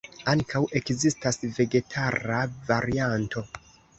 Ankaŭ ekzistas vegetara varianto.